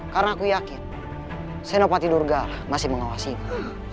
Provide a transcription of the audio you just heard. karena aku yakin senopati durgala masih mengawasi itu